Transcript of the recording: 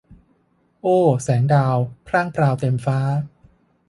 โอ แสงดาวพร่างพราวเต็มฟ้า